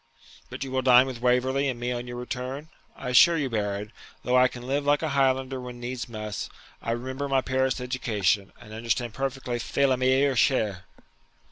'But you will dine with Waverley and me on your return? I assure you, Baron, though I can live like a Highlander when needs must, I remember my Paris education, and understand perfectly faire la meilleure chere.'